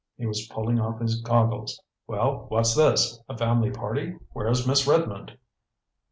He was pulling off his goggles. "Well, what's this? A family party? Where's Miss Redmond?"